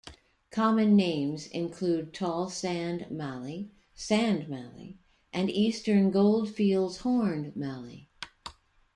Common names include tall sand mallee, sand mallee, and Eastern Goldfields horned mallee.